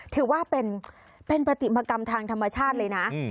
ถือว่าเป็นปฏิมกรรมทางธรรมชาติเลยนะ